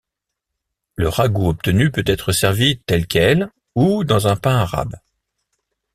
Le ragoût obtenu peut être servi tel quel ou dans un pain arabe.